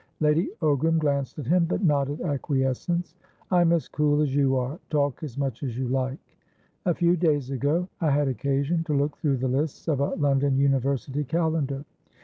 Lady Ogram glanced at him, but nodded acquiescence. "I'm as cool as you are. Talk as much as you like." "A few days ago I had occasion to look through the lists of a London University Calendar.